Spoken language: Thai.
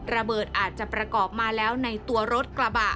ระเบิดอาจจะประกอบมาแล้วในตัวรถกระบะ